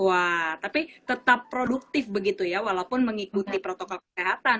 wah tapi tetap produktif begitu ya walaupun mengikuti protokol kesehatan